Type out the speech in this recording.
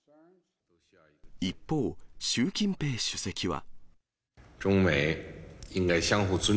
一方、習近平主席は。